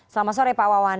selamat sore pak wawan